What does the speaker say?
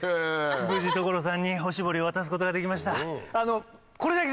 無事所さんにお絞りを渡すことができました。